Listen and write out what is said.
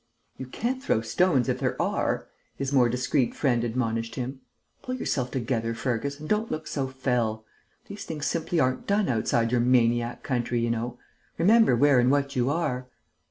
"You can't throw stones if there are," his more discreet friend admonished him. "Pull yourself together, Fergus, and don't look so fell. These things simply aren't done outside your maniac country, you know. Remember where and what you are."